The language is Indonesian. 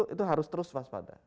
itu harus terus waspada